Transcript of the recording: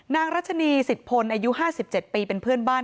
รัชนีสิทธพลอายุ๕๗ปีเป็นเพื่อนบ้าน